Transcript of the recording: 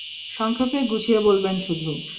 সংক্ষেপে গুছিয়ে বলবেন শুধু।